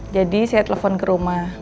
jadi saya telepon ke rumah